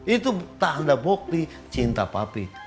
itu tanda bukti cinta papi